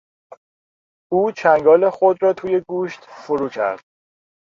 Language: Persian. او چنگال خود را توی گوشت فرو کرد.